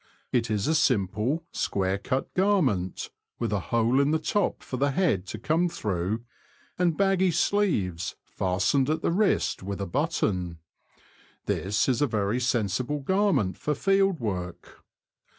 It is a simple, square cut gar ment, with a hole in the top for the head to come through, and baggy sleeves, fastened at the wrist with a button. This is a very sensible garment for field work.